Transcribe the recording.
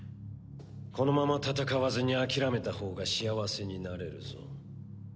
このまま闘わずに諦めたほうが幸せになれるぞ。